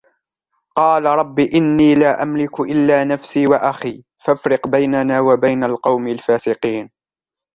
قال رب إني لا أملك إلا نفسي وأخي فافرق بيننا وبين القوم الفاسقين